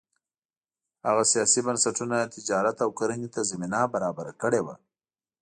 هغه سیاسي بنسټونه چې تجارت او کرنې ته زمینه برابره کړې وه